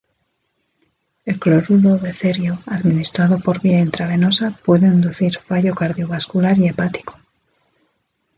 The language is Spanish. El cloruro de cerio administrado por vía intravenosa puede inducir fallo cardiovascular y hepático.